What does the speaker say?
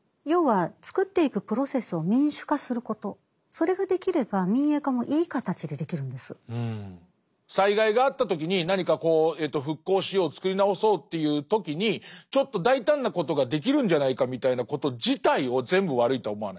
それから進めていく時に民営化するにしても要は作っていく災害があった時に何かこう復興しよう作り直そうという時にちょっと大胆なことができるんじゃないかみたいなこと自体を全部悪いとは思わない。